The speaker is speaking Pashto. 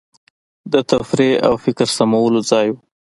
د تفریح او فکر سمولو ځای وو.